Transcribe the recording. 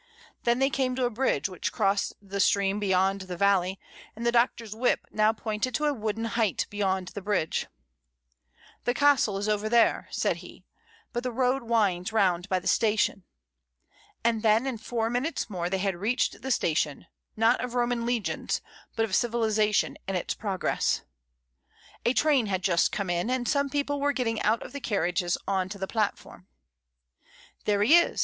Then they came to a bridge which crossed the stream beyond the valley, and the Doctor's whip now pointed to a wooden height beyond the bridge. IN A GIG. 27 "The Castle is over there," said he, "but the road winds round by the station." And then in foiu minutes more they had reached the station, not of Roman legions, but of civilisation in its pro gress. A train had just come in, and some people were getting out of the carriages on to the platform. "There he is!"